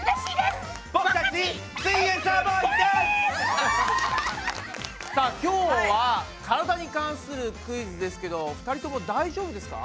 僕たちさあ今日はからだに関するクイズですけど２人とも大丈夫ですか？